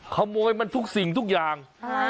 ขโมยมันทุกสิ่งทุกอย่าง